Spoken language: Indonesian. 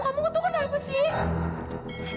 kamu tuh kenapa sih